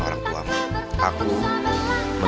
jangan benda apa apa